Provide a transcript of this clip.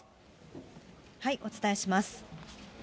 お伝えします。